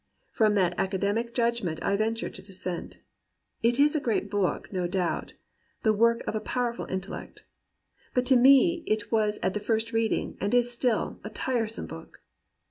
From that academic judg ment I venture to dissent. It is a great book, no doubt, the work of a powerful intellect. But to me it was at the first reading, and is still, a tire some book.